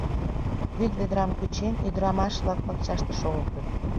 Вӱд ведрам кучен, ӱдырамаш-влак пакчаште шогылтыт.